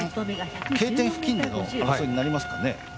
Ｋ点付近での争いになりますかね。